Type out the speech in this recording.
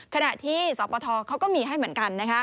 ขณะที่สปทเขาก็มีให้เหมือนกัน